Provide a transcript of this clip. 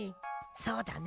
そうだね。